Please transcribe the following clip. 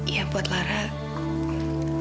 ya buat lara agak susah nek